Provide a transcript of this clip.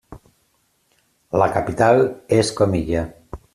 La capital és Comilla.